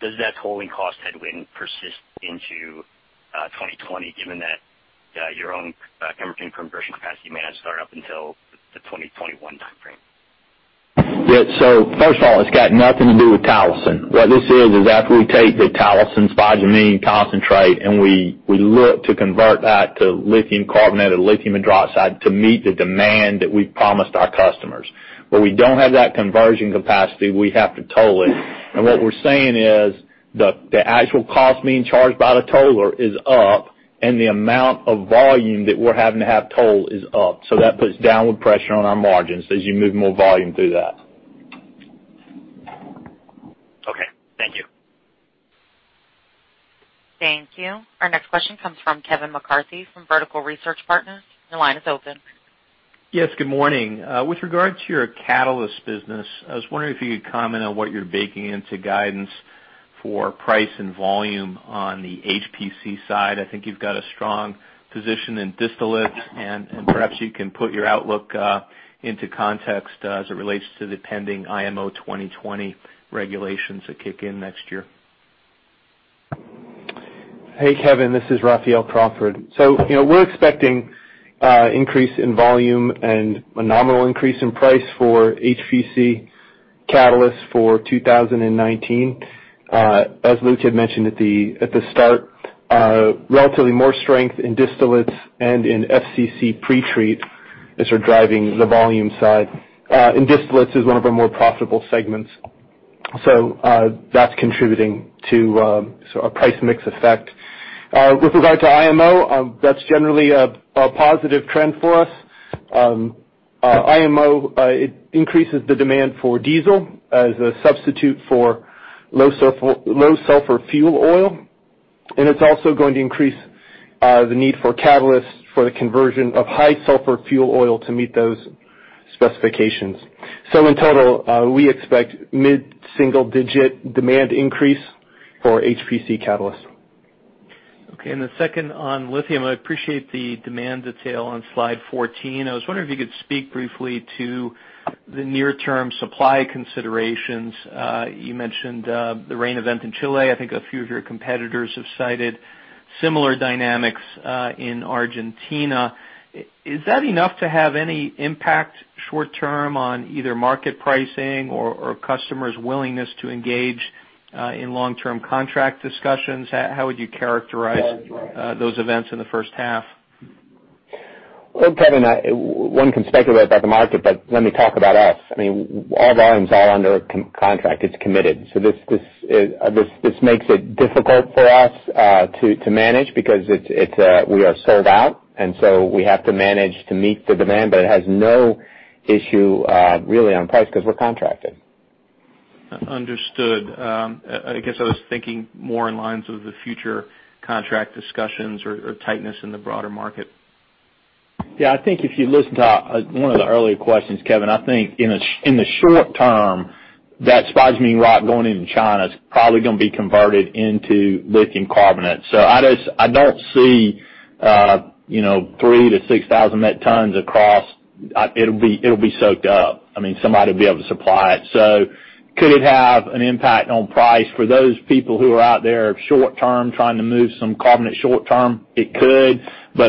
Does that tolling cost headwind persist into 2020 given that your own conversion capacity may not start up until the 2021 timeframe?
Yeah. First of all, it's got nothing to do with Talison. What this is after we take the Talison spodumene concentrate, and we look to convert that to lithium carbonate or lithium hydroxide to meet the demand that we've promised our customers. Where we don't have that conversion capacity, we have to toll it. What we're saying is the actual cost being charged by the toller is up, and the amount of volume that we're having to have tolled is up. That puts downward pressure on our margins as you move more volume through that.
Okay. Thank you.
Thank you. Our next question comes from Kevin McCarthy from Vertical Research Partners. Your line is open.
Yes, good morning. With regard to your catalyst business, I was wondering if you could comment on what you're baking into guidance for price and volume on the HPC side. I think you've got a strong position in distillates, and perhaps you can put your outlook into context as it relates to the pending IMO 2020 regulations that kick in next year.
Hey, Kevin. This is Raphael Crawford. We're expecting increase in volume and a nominal increase in price for HPC catalyst for 2019. As Luke had mentioned at the start, relatively more strength in distillates and in FCC pretreat is driving the volume side. Distillates is one of our more profitable segments. That's contributing to a price mix effect. With regard to IMO, that's generally a positive trend for us. IMO, it increases the demand for diesel as a substitute for low sulfur fuel oil, and it's also going to increase the need for catalysts for the conversion of high sulfur fuel oil to meet those specifications. In total, we expect mid-single digit demand increase for HPC catalyst.
Okay. The second on lithium. I appreciate the demand detail on slide 14. I was wondering if you could speak briefly to the near-term supply considerations. You mentioned the rain event in Chile. I think a few of your competitors have cited similar dynamics in Argentina. Is that enough to have any impact short-term on either market pricing or customers' willingness to engage in long-term contract discussions? How would you characterize those events in the first half?
Well, Kevin, one can speculate about the market, but let me talk about us. I mean, our volumes are under contract. It's committed. This makes it difficult for us to manage because we are sold out, and we have to manage to meet the demand, but it has no issue really on price because we're contracted.
Understood. I guess I was thinking more in lines of the future contract discussions or tightness in the broader market.
Yeah. I think if you listen to one of the earlier questions, Kevin, I think in the short term, that spodumene rock going into China is probably going to be converted into lithium carbonate. I don't see 3,000-6,000 met tons across. It'll be soaked up. I mean, somebody will be able to supply it. Could it have an impact on price for those people who are out there short term trying to move some carbonate short term? It could.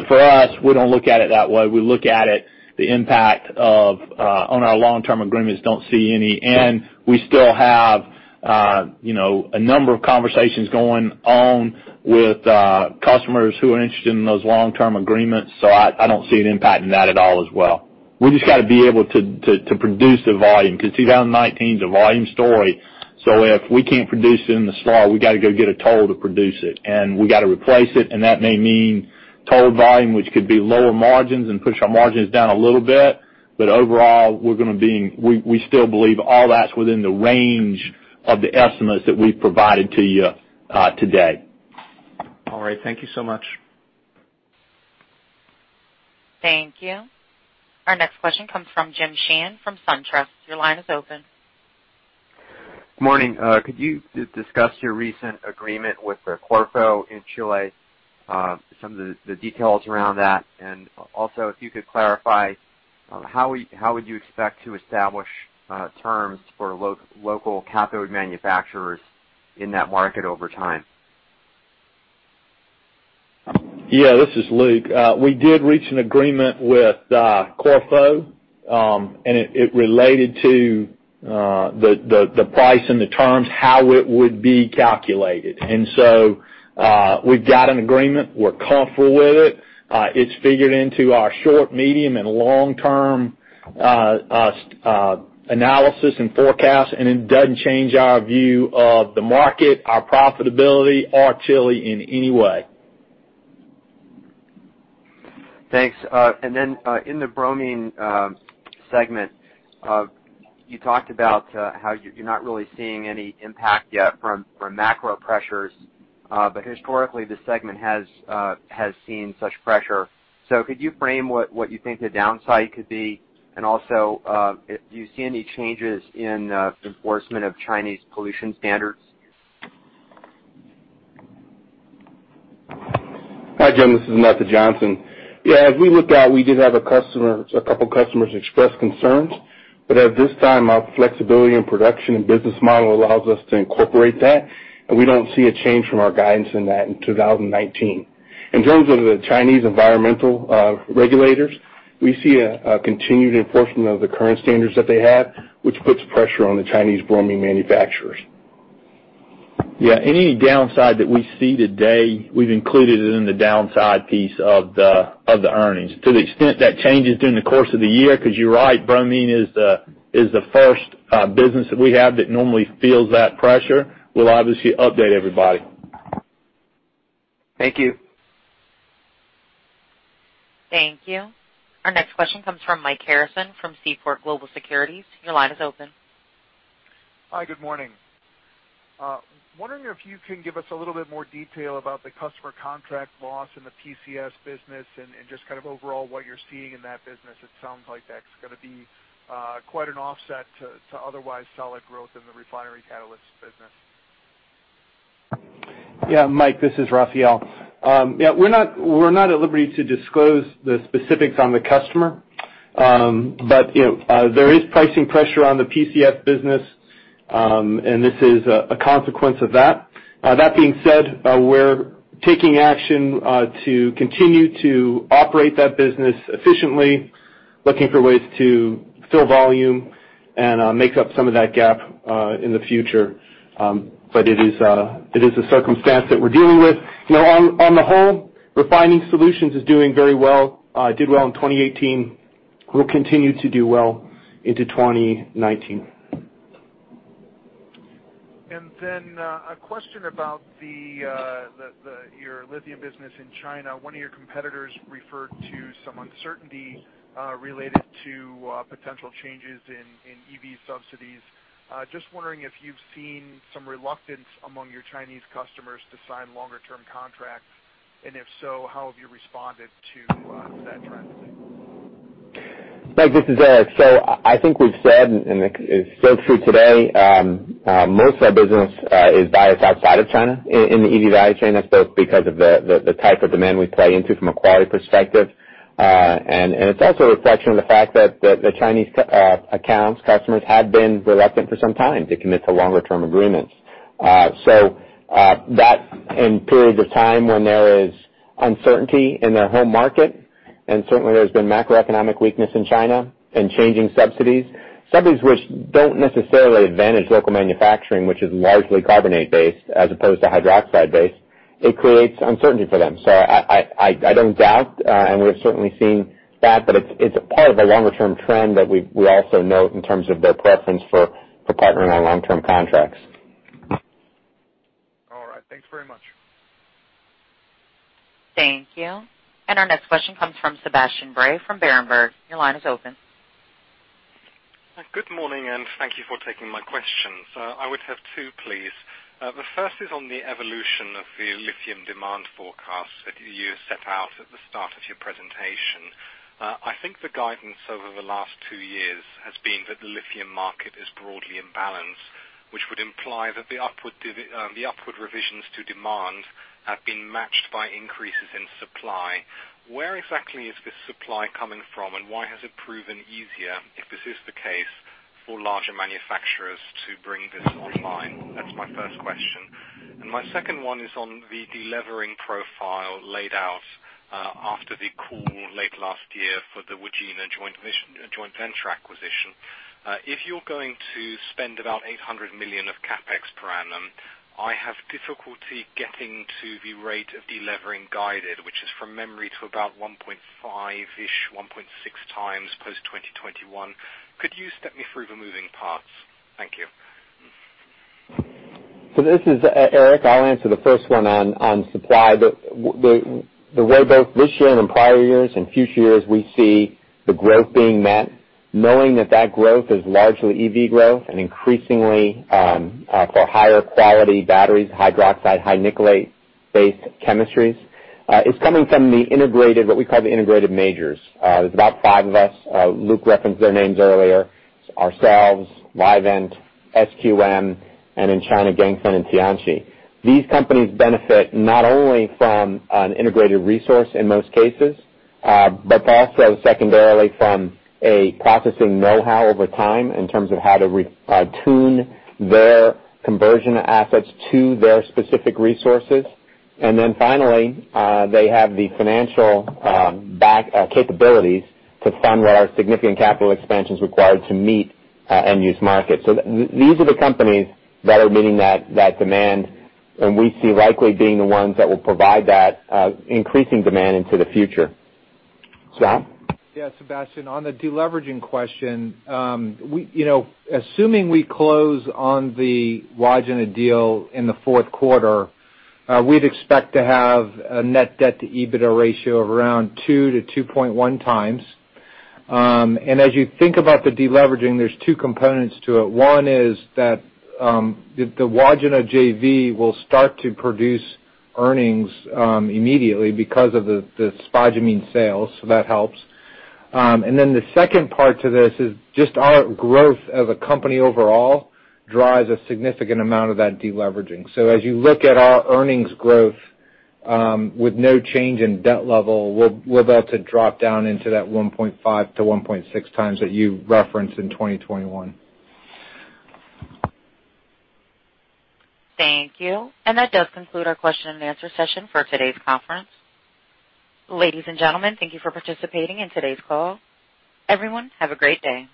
For us, we don't look at it that way. We look at it, the impact on our long-term agreements, don't see any. We still have a number of conversations going on with customers who are interested in those long-term agreements. I don't see an impact in that at all as well. We just got to be able to produce the volume, because 2019's a volume story. If we can't produce it in the slot, we got to go get a toll to produce it. We got to replace it, and that may mean toll volume, which could be lower margins and push our margins down a little bit. Overall, we still believe all that's within the range of the estimates that we've provided to you today.
All right. Thank you so much.
Thank you. Our next question comes from Jim Sheehan from SunTrust. Your line is open.
Morning. Could you discuss your recent agreement with Corfo in Chile, some of the details around that. If you could clarify how would you expect to establish terms for local cathode manufacturers in that market over time?
Yeah. This is Luke. We did reach an agreement with Corfo, and it related to the price and the terms, how it would be calculated. We've got an agreement. We're comfortable with it. It's figured into our short, medium, and long-term analysis and forecast, it doesn't change our view of the market, our profitability, or Chile in any way.
Thanks. In the bromine segment, you talked about how you're not really seeing any impact yet from macro pressures. Historically, this segment has seen such pressure. Could you frame what you think the downside could be? Do you see any changes in enforcement of Chinese pollution standards?
Hi, Jim, this is Netha Johnson. Yeah, as we look out, we did have a couple customers express concerns. At this time, our flexibility in production and business model allows us to incorporate that, we don't see a change from our guidance in that in 2019. In terms of the Chinese environmental regulators, we see a continued enforcement of the current standards that they have, which puts pressure on the Chinese bromine manufacturers.
Yeah. Any downside that we see today, we've included it in the downside piece of the earnings. To the extent that changes during the course of the year, because you're right, bromine is the first business that we have that normally feels that pressure. We'll obviously update everybody.
Thank you.
Thank you. Our next question comes from Michael Harrison from Seaport Global Securities. Your line is open.
Hi, good morning. Wondering if you can give us a little bit more detail about the customer contract loss in the PCS business and just kind of overall what you're seeing in that business. It sounds like that's going to be quite an offset to otherwise solid growth in the refinery catalyst business.
Mike, this is Raphael. We're not at liberty to disclose the specifics on the customer. There is pricing pressure on the PCS business, and this is a consequence of that. That being said, we're taking action to continue to operate that business efficiently, looking for ways to fill volume, and make up some of that gap in the future. It is a circumstance that we're dealing with. On the whole, Refining Solutions is doing very well. Did well in 2018. Will continue to do well into 2019.
A question about your lithium business in China. One of your competitors referred to some uncertainty related to potential changes in EV subsidies. Just wondering if you've seen some reluctance among your Chinese customers to sign longer-term contracts, and if so, how have you responded to that trend?
Mike, this is Eric. I think we've said, and it is still true today, most of our business is biased outside of China in the EV value chain. It's also a reflection of the fact that the Chinese accounts, customers, have been reluctant for some time to commit to longer-term agreements. That, in periods of time when there is uncertainty in their home market, and certainly there's been macroeconomic weakness in China and changing subsidies which don't necessarily advantage local manufacturing, which is largely carbonate-based as opposed to hydroxide-based. It creates uncertainty for them. I don't doubt, and we've certainly seen that, but it's part of a longer-term trend that we also note in terms of their preference for partnering on long-term contracts.
All right. Thanks very much.
Thank you. Our next question comes from Sebastian Bray from Berenberg. Your line is open.
Good morning, and thank you for taking my questions. I would have two, please. The first is on the evolution of the lithium demand forecast that you set out at the start of your presentation. I think the guidance over the last two years has been that the lithium market is broadly in balance, which would imply that the upward revisions to demand have been matched by increases in supply. Where exactly is this supply coming from, and why has it proven easier, if this is the case, for larger manufacturers to bring this online? That's my first question. My second one is on the de-levering profile laid out after the call late last year for the Wodgina joint venture acquisition. If you're going to spend about $800 million of CapEx per annum, I have difficulty getting to the rate of de-levering guided, which is from memory to about 1.5-ish, 1.6 times post 2021. Could you step me through the moving parts? Thank you.
This is Eric. I'll answer the first one on supply. The way both this year and in prior years and future years, we see the growth being met, knowing that growth is largely EV growth and increasingly for higher quality batteries, hydroxide, high-nickel-based chemistries, is coming from what we call the integrated majors. There's about five of us. Luke referenced their names earlier, ourselves, Livent, SQM, and in China, Ganfeng and Tianqi. These companies benefit not only from an integrated resource in most cases, but also secondarily from a processing knowhow over time in terms of how to tune their conversion assets to their specific resources. Then finally, they have the financial capabilities to fund what are significant capital expansions required to meet end-use markets. These are the companies that are meeting that demand and we see likely being the ones that will provide that increasing demand into the future. Scott?
Yeah, Sebastian, on the de-leveraging question, assuming we close on the Wodgina deal in the fourth quarter, we'd expect to have a net debt to EBITDA ratio of around 2 to 2.1 times. As you think about the de-leveraging, there's 2 components to it. One is that the Wodgina JV will start to produce earnings immediately because of the spodumene sales, so that helps. The second part to this is just our growth as a company overall drives a significant amount of that de-leveraging. As you look at our earnings growth with no change in debt level, we're about to drop down into that 1.5 to 1.6 times that you referenced in 2021.
Thank you. That does conclude our question and answer session for today's conference. Ladies and gentlemen, thank you for participating in today's call. Everyone, have a great day.